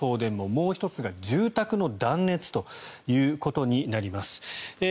もう１つが住宅の断熱ということになります。